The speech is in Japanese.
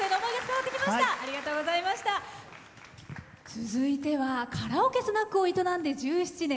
続いてはカラオケスナックを営んで１７年。